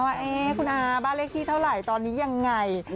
ว่าคุณอาบ้านเลขที่เท่าไหร่ตอนนี้ยังไง